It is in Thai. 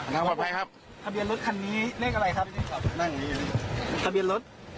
ทะเบียนรถคันนี้เลขอะไรครับนี่ครับ